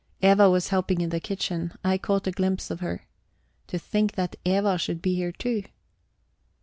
Eva was helping in the kitchen; I caught a glimpse of her. To think that Eva should be here too!